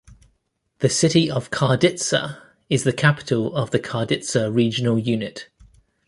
The city of Karditsa is the capital of Karditsa regional unit.